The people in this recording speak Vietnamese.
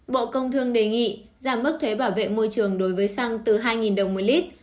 bộ công thương đề nghị giảm mức thuế bảo vệ môi trường đối với xăng từ hai đồng một lít